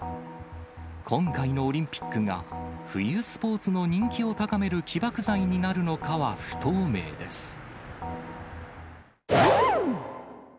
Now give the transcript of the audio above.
今回のオリンピックが、冬スポーツの人気を高める起爆剤になるのかは不透明です。